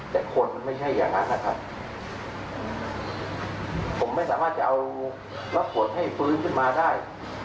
แต่คนไม่ใช่อย่างนั้นนะครับผมไม่สามารถจะเอารับผลให้ฟื้นขึ้นมาได้